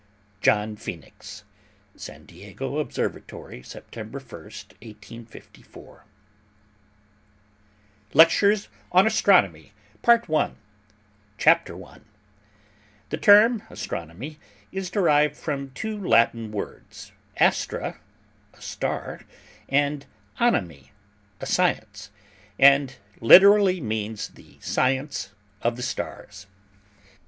JOHN PHOENIX. SAN DIEGO OBSERVATORY, September 1, 1854. LECTURES ON ASTRONOMY PART I CHAPTER I The term Astronomy is derived from two Latin words, Astra, a star, and onomy, a science; and literally means the science of the stars.